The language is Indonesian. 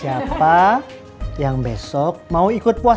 siapa yang besok mau ikut puas